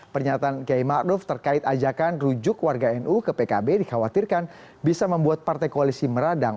pernyataan kiai ⁇ maruf ⁇ terkait ajakan rujuk warga nu ke pkb dikhawatirkan bisa membuat partai koalisi meradang